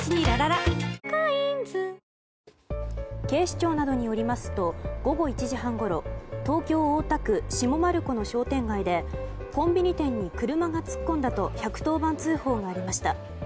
警視庁などによりますと午後１時半ごろ東京・大田区下丸子の商店街でコンビニ店に車が突っ込んだと１１０番通報がありました。